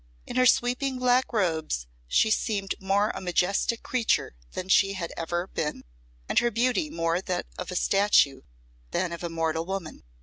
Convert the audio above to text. In her sweeping black robes she seemed more a majestic creature than she had ever been, and her beauty more that of a statue than of a mortal woman.